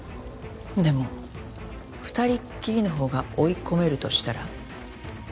でも２人っきりのほうが追い込めるとしたら？